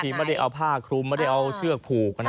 ไม่ได้เอาผ้าคลุมไม่ได้เอาเชือกผูกนะ